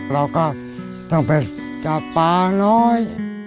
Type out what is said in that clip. เราก็ต้องไปจับปลาน้อย